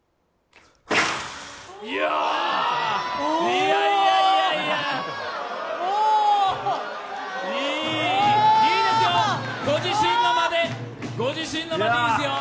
いや、いやいやいやいいですよ、ご自身の間で、いいですよ。